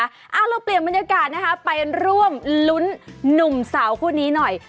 เอาเราเปลี่ยนบรรยากาศนะคะไปร่วมลุ้นหนุ่มสาวคู่นี้หน่อย